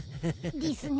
でぃすね。